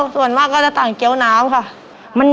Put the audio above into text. ส่วนมากจะหาเกี๊ยวน้ำค่ะ